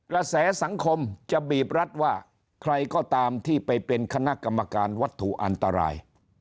แสสังคมจะบีบรัฐว่าใครก็ตามที่ไปเป็นคณะกรรมการวัตถุอันตราย